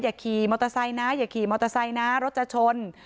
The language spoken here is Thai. อย่าขี่มอเตอร์ไซค์นะรถจะชน